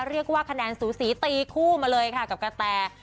เรียกว่าคะแนนสูสีตีคู่มาเลยค่ะกับกะแต